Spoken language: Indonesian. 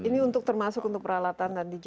ini untuk termasuk untuk peralatan tadi ya